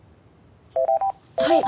はい。